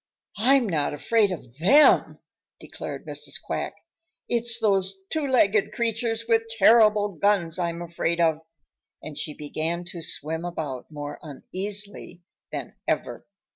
"I'm not afraid of THEM," declared Mrs. Quack. "It's those two legged creatures with terrible guns I'm afraid of," and she began to swim about more uneasily than ever.